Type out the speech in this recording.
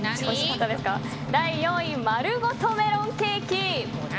第４位、まるごとメロンケーキ。